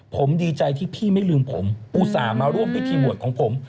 ผมดีใจที่พี่ไม่ลืมผมอุตส่าห์มาร่วมพิธีบวชของผม